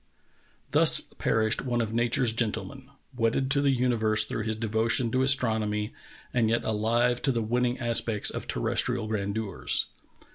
Thus perished one of nature's gentlemen, wedded to the universe through his devotion to astronomy and yet alive to the winning aspects of terrestrial grandeurs.